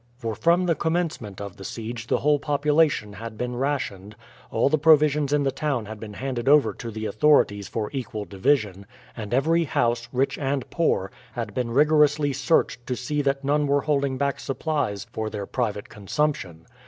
For from the commencement of the siege the whole population had been rationed, all the provisions in the town had been handed over to the authorities for equal division, and every house, rich and poor, had been rigorously searched to see that none were holding back supplies for their private consumption.